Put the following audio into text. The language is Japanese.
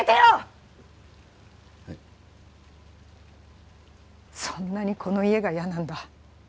はいそんなにこの家が嫌なんだ？